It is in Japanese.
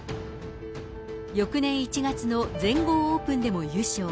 翌年１月の全豪オープンでも優勝。